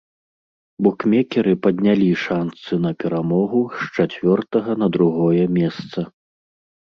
Букмекеры паднялі шанцы на перамогу з чацвёртага на другое месца.